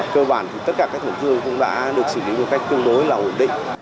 cơ bản thì tất cả các thổn thương cũng đã được xử lý một cách tương đối là ổn định